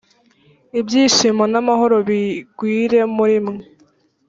ibyishimo n’ amahoro bigwire muri mwe